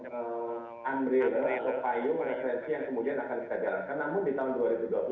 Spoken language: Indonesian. kita sekarang mekanisme atau kemudian skema menyebut masalah manajemen prioritas selontas ini